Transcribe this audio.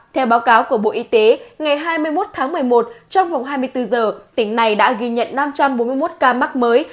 theo báo cáo của bộ y tế ngày hai mươi một tháng một mươi một trong vòng hai mươi bốn giờ tỉnh này đã ghi nhận năm trăm bốn mươi một ca mắc mới